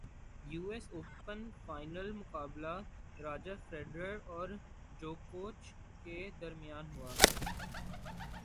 you S open final مقابلہ Roger Federer اور جوکووچ کے درمیان ہوگا